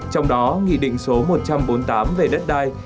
trong đó nghị định số một trăm bốn mươi tám về đất đai